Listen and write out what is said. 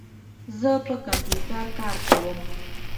زه په کمپیوټر کار کوم.